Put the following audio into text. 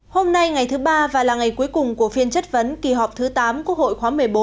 hôm nay ngày thứ ba và là ngày cuối cùng của phiên chất vấn kỳ họp thứ tám quốc hội khóa một mươi bốn